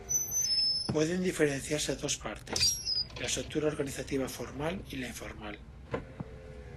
Pueden diferenciarse dos partes: la estructura organizativa formal y la informal.